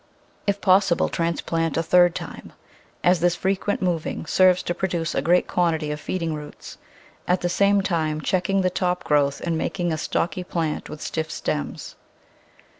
If possible, transplant a third time, as this frequent moving serves to produce a great quantity of feeding roots, at the same time checking the top growth and making a stocky plant with stiff stems.